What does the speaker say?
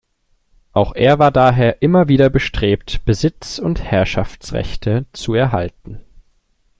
Auch er war daher immer wieder bestrebt, Besitz- und Herrschaftsrechte zu erhalten.